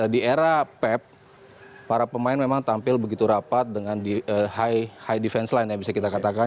di era pep para pemain memang tampil begitu rapat dengan high defense line yang bisa kita katakan